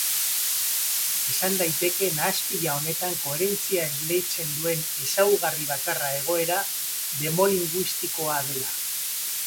Esan daiteke nahaspila honetan koherentzia esleitzen duen ezaugarri bakarra egoera demolinguistikoa dela.